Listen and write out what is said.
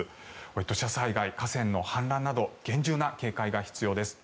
土砂災害、河川の氾濫など厳重な警戒が必要です。